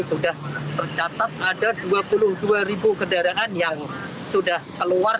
sudah tercatat ada dua puluh dua ribu kendaraan yang sudah keluar